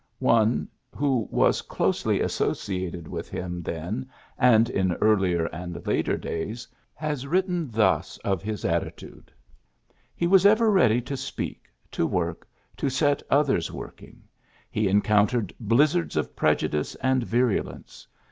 One who wjis closely associated with him then, and in earlier and later days, has written thus of his attitude ;'' He was ever ready to speak, to work, to set others working. He encountered blizzards of prejudice and virulence.